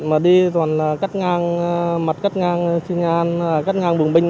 mà đi toàn là cất ngang mặt cất ngang xin nhạn cất ngang bùng binh